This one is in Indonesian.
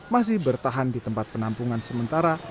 masih bertahan di tempat penampungan sementara